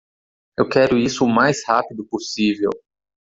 Eu quero isso o mais rápido possível.